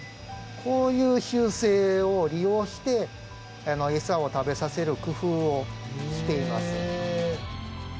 こういう習性を利用して餌を食べさせる工夫をしています。